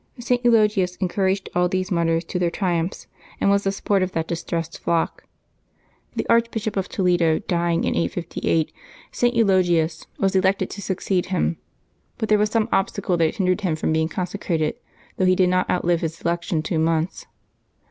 St. Eulogius encouraged all these martyrs to their tri~ umphs, and was tbe support of that distressed flock. The Archbishop of Toledo dying in 858, St. Eulogius was 104 LIVES OF THE SAINTS [March 11 elected to succeed him; but there was some obstacle that hindered him from being consecrated, though he did not outlive his election two months.